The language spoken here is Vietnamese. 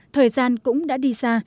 thời gian cũng đã đi xa